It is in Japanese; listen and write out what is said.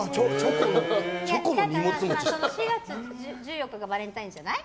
４月１４日がバレンタインじゃない？